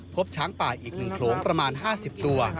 พบช้างป่าอีกหนึ่งโครงประมาณ๕๐ตัว